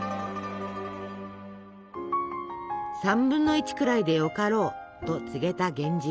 「３分の１くらいでよかろう」と告げた源氏。